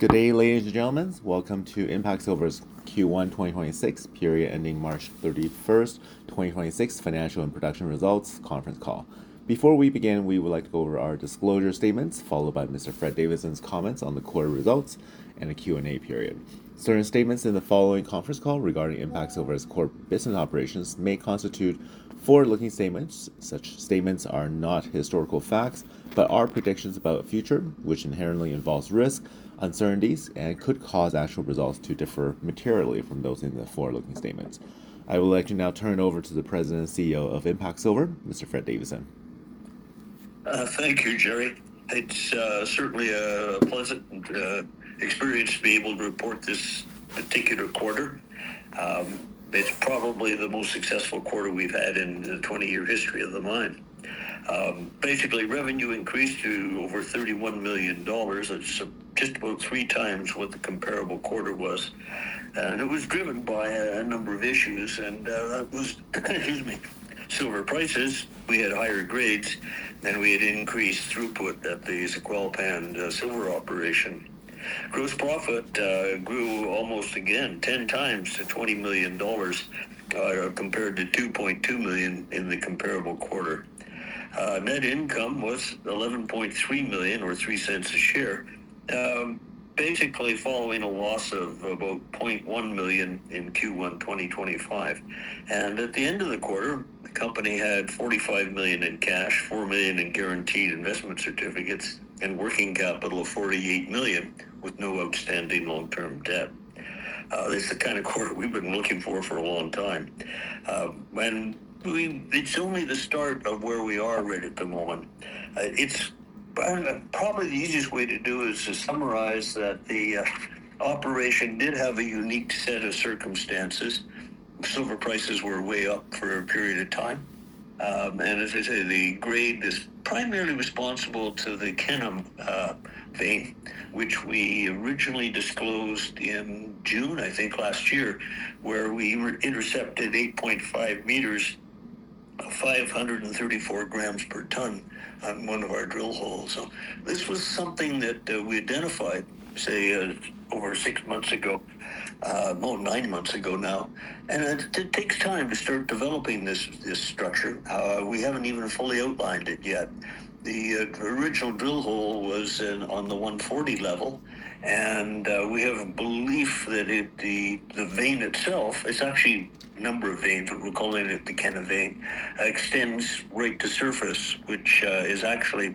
Good day, ladies and gentlemen. Welcome to IMPACT Silver's Q1 2026 period ending March 31st, 2026, financial and production results conference call. Before we begin, we would like to go over our disclosure statements, followed by Mr. Fred Davidson's comments on the quarter results and a Q&A period. Certain statements in the following conference call regarding IMPACT Silver's core business operations may constitute forward-looking statements. Such statements are not historical facts, but are predictions about the future, which inherently involves risk, uncertainties, and could cause actual results to differ materially from those in the forward-looking statements. I would like to now turn over to the President and Chief Executive Officer of IMPACT Silver, Mr. Fred Davidson. Thank you, Jerry. It's certainly a pleasant experience to be able to report this particular quarter. It's probably the most successful quarter we've had in the 20-year history of the mine. Basically, revenue increased to over 31 million dollars. That's just about three times what the comparable quarter was. It was driven by a number of issues, and that was excuse me, silver prices. We had higher grades, and we had increased throughput at the Zacualpan silver operation. Gross profit grew almost again 10x to 20 million dollars compared to 2.2 million in the comparable quarter. Net income was 11.3 million, or 0.03 a share. Basically following a loss of about 0.1 million in Q1 2025. At the end of the quarter, the company had 45 million in cash, 4 million in Guaranteed Investment Certificates, and working capital of 48 million, with no outstanding long-term debt. This is the kind of quarter we've been looking for for a long time. It's only the start of where we are right at the moment. Probably the easiest way to do is to summarize that the operation did have a unique set of circumstances. silver prices were way up for a period of time. As I say, the grade is primarily responsible to the Kena vein, which we originally disclosed in June last year, where we intercepted 8.5m, 534g per ton on one of our drill holes. This was something that we identified, say, over 6 months ago, more 9 months ago now. It takes time to start developing this structure. We haven't even fully outlined it yet. The original drill hole was on the 140 level, and we have a belief that the vein itself, it's actually a number of veins, but we're calling it the Kena vein, extends right to surface, which is actually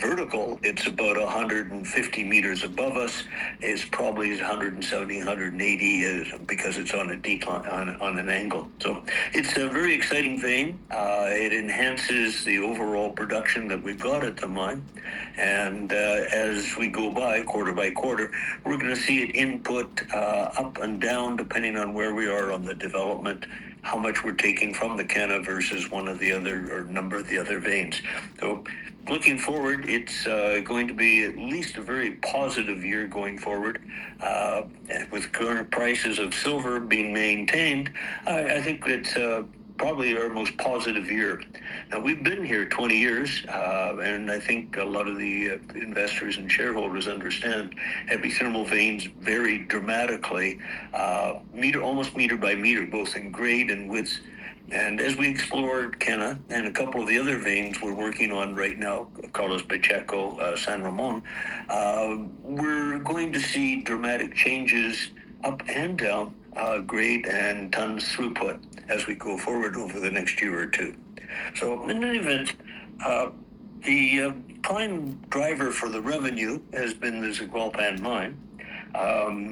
vertical. It's about 150m above us. It's probably 170m, 180m because it's on an angle. It's a very exciting vein. It enhances the overall production that we've got at the mine. As we go by quarter by quarter, we're going to see it input up and down depending on where we are on the development, how much we're taking from the Kena versus one of the other or a number of the other veins. Looking forward, it's going to be at least a very positive year going forward. With current prices of silver being maintained, I think it's probably our most positive year. Now, we've been here 20 years, I think a lot of the investors and shareholders understand epithermal veins vary dramatically almost meter by meter, both in grade and widths. As we explore Kena and a couple of the other veins we're working on right now, Carlos Pacheco, San Ramon, we're going to see dramatic changes up and down grade and tons throughput as we go forward over the next year or two. In any event, the prime driver for the revenue has been the Zacualpan mine.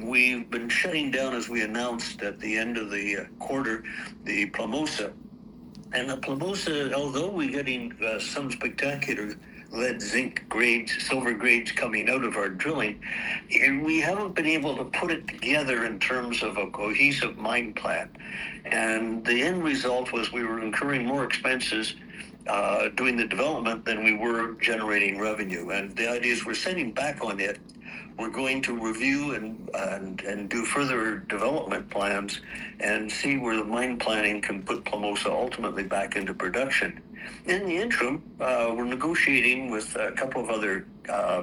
We've been shutting down, as we announced at the end of the quarter, the Plomosas. The Plomosas, although we're getting some spectacular lead zinc grades, silver grades coming out of our drilling, we haven't been able to put it together in terms of a cohesive mine plan. The end result was we were incurring more expenses doing the development than we were generating revenue. The idea is we're sitting back on it. We're going to review and do further development plans and see where the mine planning can put Plomosas ultimately back into production. In the interim, we're negotiating with a couple of other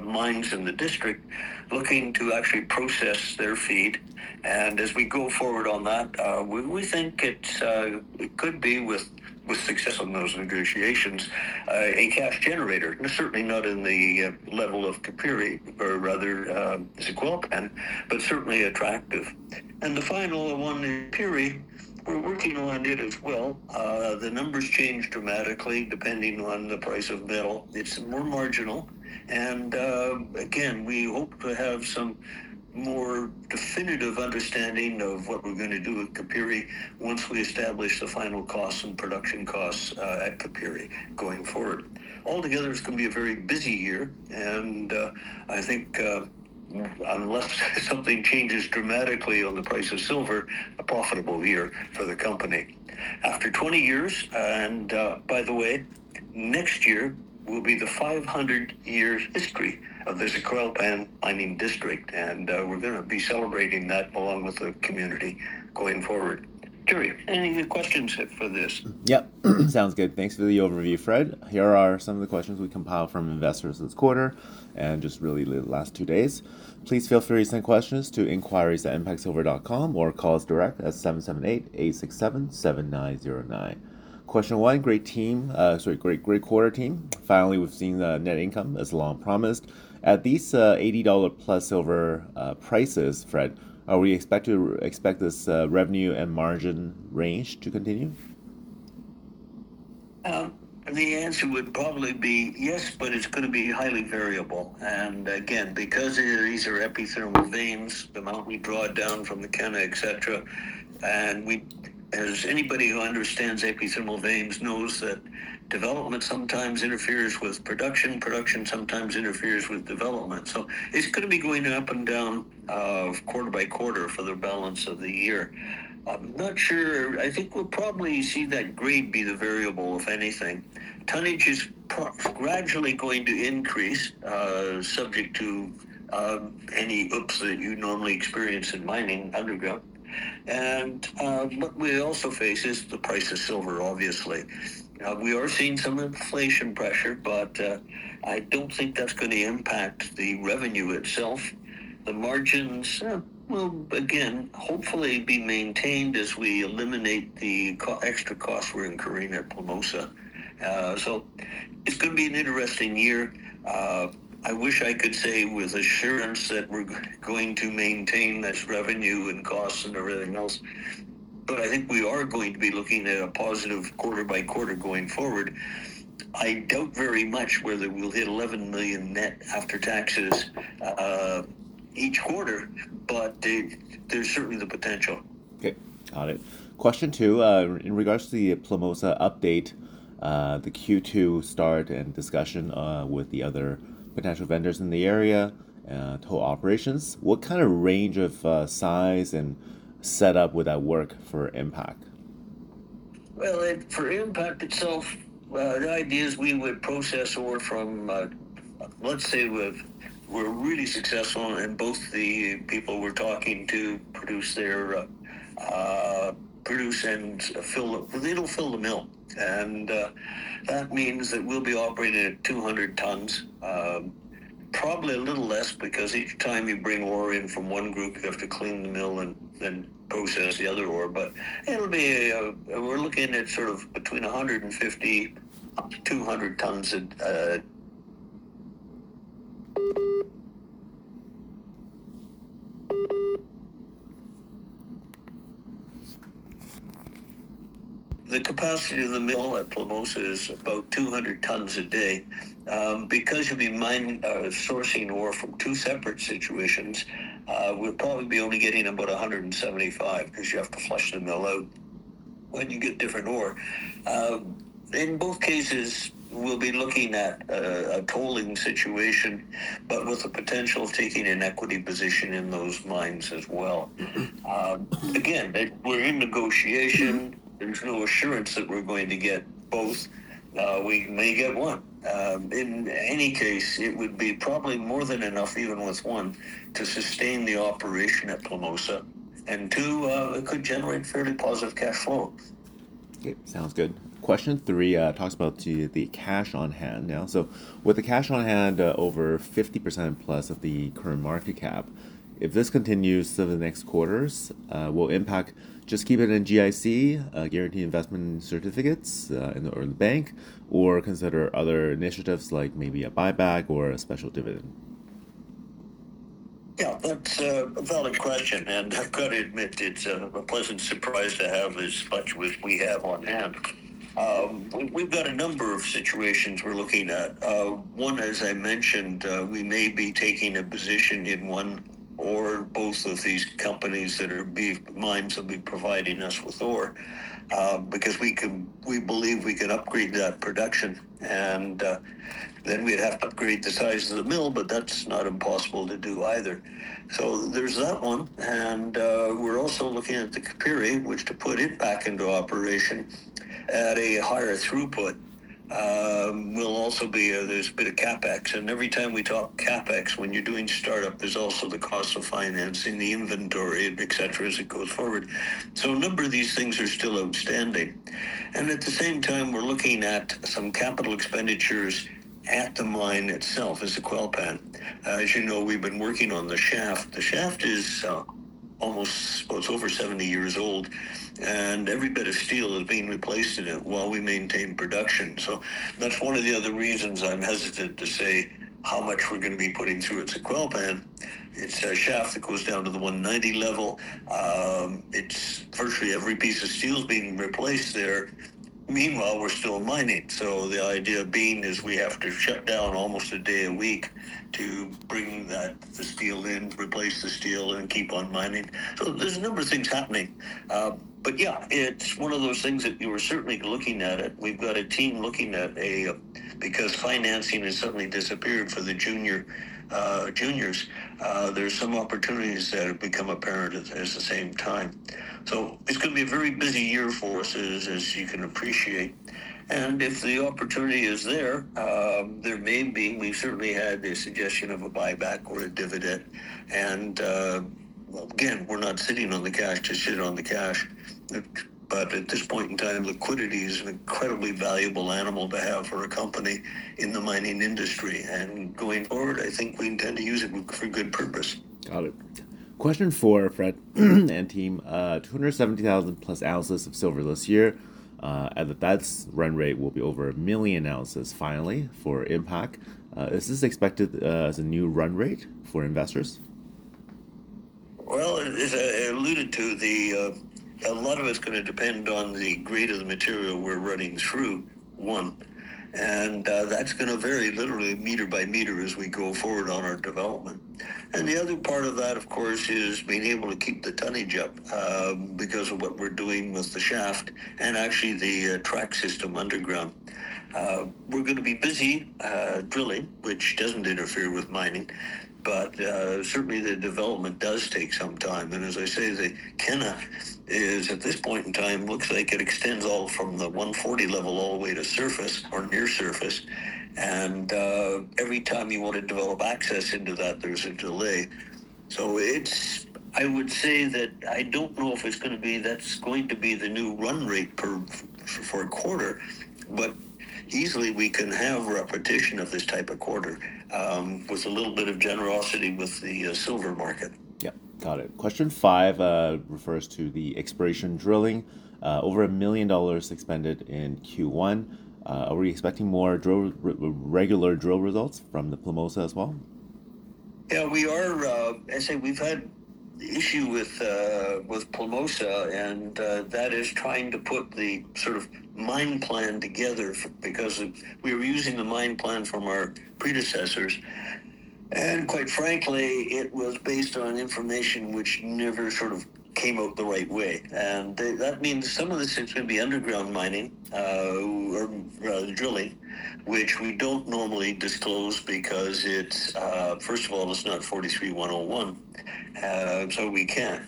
mines in the district looking to actually process their feed. As we go forward on that, we think it could be with success on those negotiations, a cash generator. Certainly not in the level of Capire or rather Zacualpan, but certainly attractive. The final one in Capire, we're working on it as well. The numbers change dramatically depending on the price of metal. It's more marginal. Again, we hope to have some more definitive understanding of what we're going to do with Capire once we establish the final costs and production costs at Capire going forward. Altogether, it's going to be a very busy year, and I think unless something changes dramatically on the price of silver, a profitable year for the company. After 20 years, and by the way, next year will be the 500 years history of the Zacualpan Mining District, and we're going to be celebrating that along with the community going forward. Jerry, any questions for this? Yep. Sounds good. Thanks for the overview, Fred. Here are some of the questions we compiled from investors this quarter, just really the last two days. Please feel free to send questions to inquiries@impactsilver.com or call us direct at 778-867-7909. Question one, great quarter team. Finally, we've seen the net income as long promised. At these 80+ dollar silver prices, Fred, are we expect this revenue and margin range to continue? The answer would probably be yes, but it's going to be highly variable. Again, because these are epithermal veins, the amount we draw down from the Kena, et cetera. As anybody who understands epithermal veins knows that development sometimes interferes with production. Production sometimes interferes with development. It's going to be going up and down quarter by quarter for the balance of the year. I'm not sure. I think we'll probably see that grade be the variable, if anything. Tonnage is gradually going to increase, subject to any oops that you'd normally experience in mining underground. What we also face is the price of silver, obviously. We are seeing some inflation pressure, but I don't think that's going to impact the revenue itself. The margins will, again, hopefully be maintained as we eliminate the extra costs we're incurring at Plomosas. It's going to be an interesting year. I wish I could say with assurance that we're going to maintain this revenue and costs and everything else. I think we are going to be looking at a positive quarter by quarter going forward. I doubt very much whether we'll hit 11 million net after taxes each quarter, but there's certainly the potential. Okay. Got it. Question two, in regards to the Plomosas update, the Q2 start and discussion with the other potential vendors in the area, toll operations. What range of size and setup would that work for IMPACT? Well, for IMPACT itself, the idea is we would process ore from, let's say we're really successful and both the people we're talking to produce and it'll fill the mill. That means that we'll be operating at 200 tons, probably a little less because each time you bring ore in from one group, you have to clean the mill and process the other ore. We're looking at between 150 tons up to 200 tons. The capacity of the mill at Plomosas is about 200 tons a day. Because you'll be sourcing ore from two separate situations, we'll probably be only getting about 175 tons because you have to flush the mill out when you get different ore. In both cases, we'll be looking at a tolling situation, but with the potential of taking an equity position in those mines as well. Again, we're in negotiation. There's no assurance that we're going to get both. We may get one. In any case, it would be probably more than enough, even with one, to sustain the operation at Plomosas. Two, it could generate fairly positive cash flow. Okay. Sounds good. Question three talks about the cash on hand now. With the cash on hand over 50%+ of the current market cap, if this continues through the next quarters, will IMPACT just keep it in GIC, Guaranteed Investment Certificates, in the bank, or consider other initiatives like maybe a buyback or a special dividend? Yeah, that's a valid question. I've got to admit it's a pleasant surprise to have as much as we have on hand. We've got a number of situations we're looking at. One, as I mentioned, we may be taking a position in one or both of these companies that mines will be providing us with ore. We believe we could upgrade that production, and then we'd have to upgrade the size of the mill, but that's not impossible to do either. There's that one, and we're also looking at the Capire, which to put it back into operation at a higher throughput. There's a bit of CapEx, and every time we talk CapEx, when you're doing startup, there's also the cost of financing the inventory, et cetera, as it goes forward. A number of these things are still outstanding. At the same time, we're looking at some capital expenditures at the mine itself at Zacualpan. As you know, we've been working on the shaft. The shaft is over 70 years old, and every bit of steel is being replaced in it while we maintain production. That's one of the other reasons I'm hesitant to say how much we're going to be putting through. It's Zacualpan. It's a shaft that goes down to the 190 level. Virtually every piece of steel is being replaced there. Meanwhile, we're still mining. The idea being is we have to shut down almost a day a week to bring the steel in, replace the steel, and keep on mining. There's a number of things happening. Yeah, it's one of those things that we're certainly looking at it. We've got a team looking at it because financing has suddenly disappeared for the juniors. There's some opportunities that have become apparent at the same time. It's going to be a very busy year for us, as you can appreciate. If the opportunity is there may be, we've certainly had the suggestion of a buyback or a dividend. Well, again, we're not sitting on the cash to sit on the cash. At this point in time, liquidity is an incredibly valuable animal to have for a company in the mining industry. Going forward, I think we intend to use it for good purpose. Got it. Question four, Fred and team. 270,000+ ounces of silver this year. At that run rate, we'll be over 1 million ounces finally for IMPACT. Is this expected as a new run rate for investors? Well, as I alluded to, a lot of it's going to depend on the grade of the material we're running through, one, and that's going to vary literally meter by meter as we go forward on our development. The other part of that, of course, is being able to keep the tonnage up because of what we're doing with the shaft and actually the track system underground. We're going to be busy drilling, which doesn't interfere with mining, but certainly the development does take some time. As I say, the Kena is at this point in time, looks like it extends all from the 140 level all the way to surface or near surface. Every time you want to develop access into that, there's a delay. I would say that I don't know if that's going to be the new run rate for a quarter, but easily we can have repetition of this type of quarter with a little bit of generosity with the silver market. Yeah, got it. Question five refers to the exploration drilling. Over 1 million dollars expended in Q1. Are we expecting more regular drill results from the Plomosas as well? As I say, we've had issue with Plomosas, that is trying to put the mine plan together because we were using the mine plan from our predecessors, quite frankly, it was based on information which never came out the right way. That means some of this is going to be underground mining, or rather drilling, which we don't normally disclose because first of all, it's not NI 43-101, we can't.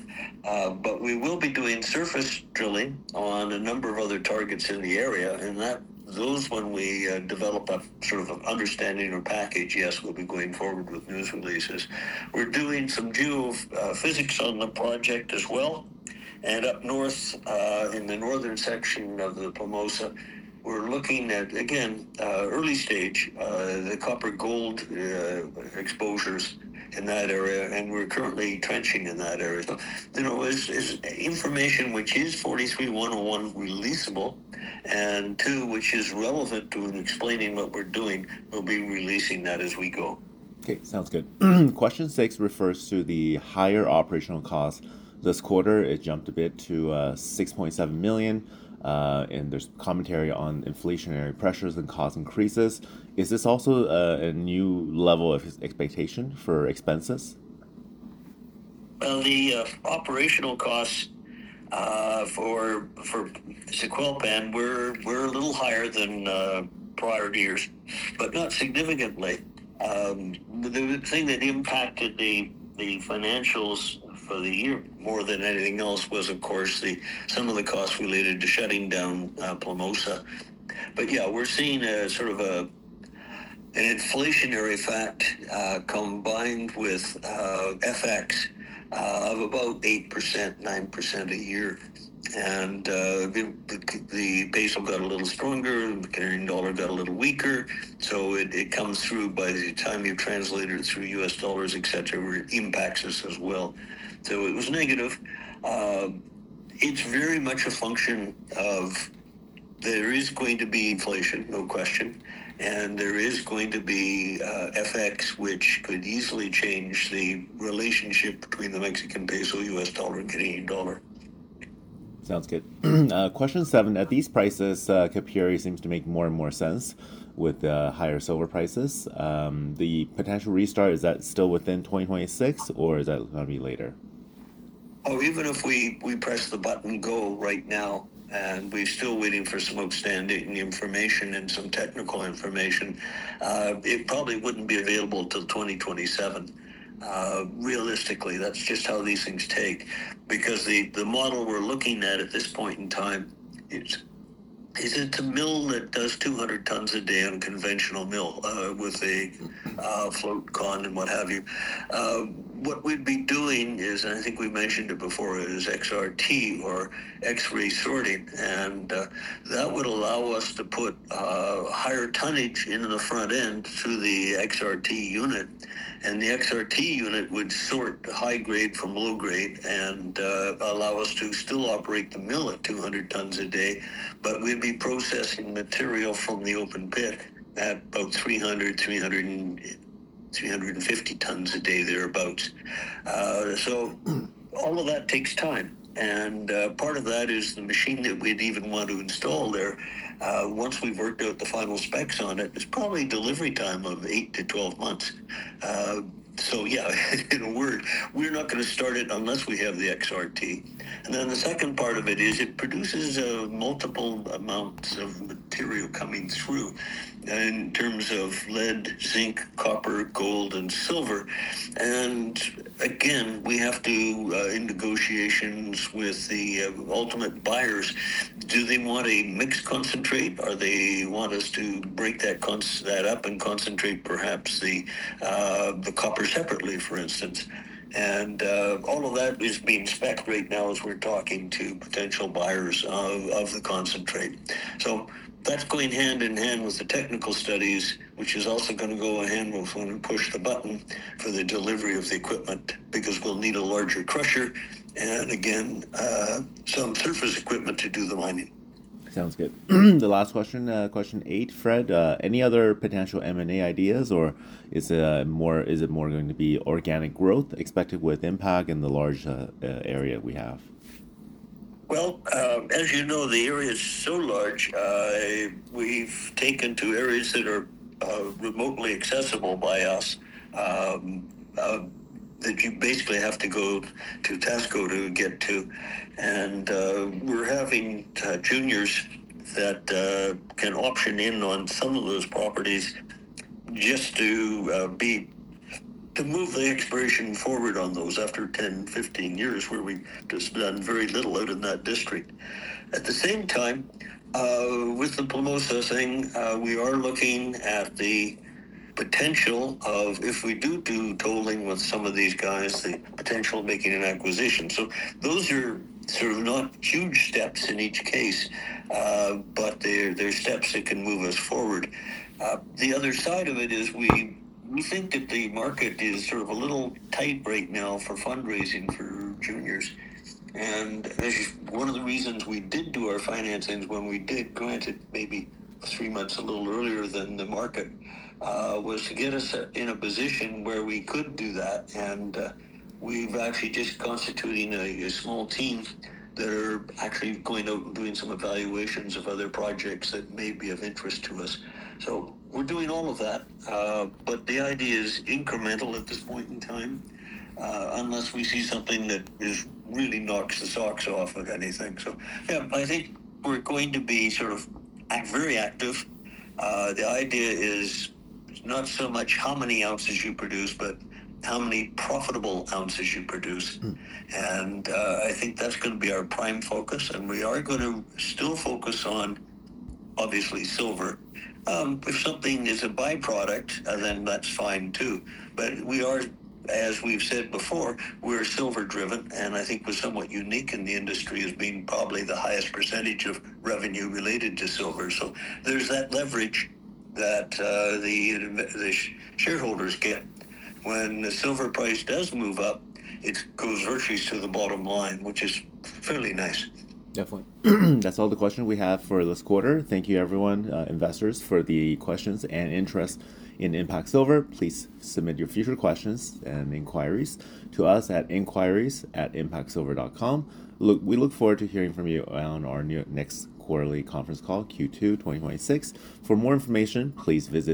We will be doing surface drilling on a number of other targets in the area, those when we develop a sort of understanding or package, yes, we'll be going forward with news releases. We're doing some geophysics on the project as well. Up north, in the northern section of the Plomosas, we're looking at, again, early stage, the copper gold exposures in that area, we're currently trenching in that area. As information which is NI 43-101 releasable, and two, which is relevant to explaining what we're doing, we'll be releasing that as we go. Okay, sounds good. Question six refers to the higher operational cost this quarter. It jumped a bit to 6.7 million, and there's commentary on inflationary pressures and cost increases. Is this also a new level of expectation for expenses? The operational costs for Zacualpan were a little higher than prior years, but not significantly. The thing that impacted the financials for the year more than anything else was, of course, some of the costs related to shutting down Plomosas. We're seeing a sort of an inflationary fact, combined with FX of about 8%, 9% a year. The peso got a little stronger, the Canadian dollar got a little weaker. It comes through by the time you translate it through U.S. dollars, et cetera, where it impacts us as well. It was negative. It's very much a function of there is going to be inflation, no question, and there is going to be FX, which could easily change the relationship between the Mexican peso, U.S. dollar, and Canadian dollar. Sounds good. Question seven. At these prices, Capire seems to make more and more sense with the higher silver prices. The potential restart, is that still within 2026, or is that going to be later? Oh, even if we press the button go right now, we're still waiting for some outstanding information and some technical information, it probably wouldn't be available till 2027. Realistically, that's just how these things take because the model we're looking at at this point in time is it's a mill that does 200 tons a day on a conventional mill, with a flotation concentrator and what have you. What we'd be doing is, I think we mentioned it before, is XRT or X-ray sorting, that would allow us to put higher tonnage into the front end through the XRT unit. The XRT unit would sort high grade from low grade and allow us to still operate the mill at 200 tons a day. We'd be processing material from the open pit at about 300 tons, 350 tons a day thereabout. All of that takes time, and part of that is the machine that we'd even want to install there. Once we've worked out the final specs on it, there's probably a delivery time of 8-12 months. Yeah, in a word, we're not going to start it unless we have the XRT. The second part of it is it produces multiple amounts of material coming through in terms of lead, zinc, copper, gold, and silver. We have to negotiations with the ultimate buyers. Do they want a mixed concentrate, or they want us to break that up and concentrate perhaps the copper separately, for instance. All of that is being specced right now as we're talking to potential buyers of the concentrate. That's going hand in hand with the technical studies, which is also going to go in hand when we push the button for the delivery of the equipment, because we'll need a larger crusher and again, some surface equipment to do the mining. Sounds good. The last question eight, Fred, any other potential M&A ideas, or is it more going to be organic growth expected with IMPACT and the large area we have? Well, as you know, the area is so large. We've taken to areas that are remotely accessible by us, that you basically have to go to Taxco to get to. We're having juniors that can option in on some of those properties just to move the exploration forward on those after 10, 15 years, where we've just done very little out in that district. At the same time, with the Plomosas thing, we are looking at the potential of if we do tolling with some of these guys, the potential making an acquisition. Those are sort of not huge steps in each case, but they're steps that can move us forward. The other side of it is we think that the market is sort of a little tight right now for fundraising for juniors. One of the reasons we did do our financings when we did, granted maybe three months a little earlier than the market, was to get us in a position where we could do that. We're actually just constituting a small team that are actually going out and doing some evaluations of other projects that may be of interest to us. We're doing all of that. The idea is incremental at this point in time, unless we see something that really knocks the socks off of anything. Yeah, I think we're going to be very active. The idea is not so much how many ounces you produce, but how many profitable ounces you produce. I think that's going to be our prime focus, and we are going to still focus on, obviously, silver. If something is a byproduct, then that's fine too. We are, as we've said before, we're silver driven, and I think we're somewhat unique in the industry as being probably the highest percentage of revenue related to silver. There's that leverage that the shareholders get. When the silver price does move up, it goes virtually to the bottom line, which is fairly nice. Definitely. That's all the questions we have for this quarter. Thank you everyone, investors, for the questions and interest in IMPACT Silver. Please submit your future questions and inquiries to us at inquiries@impactsilver.com. We look forward to hearing from you on our next quarterly conference call, Q2 2026. For more information, please visit.